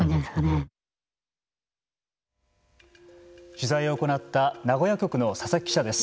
取材を行った名古屋局の佐々木記者です。